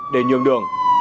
để nhường đường